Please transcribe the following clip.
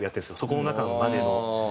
そこの中のまでの。